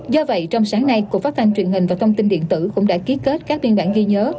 do vậy trong sáng nay cục phát thanh truyền hình và thông tin điện tử cũng đã ký kết các biên bản ghi nhớ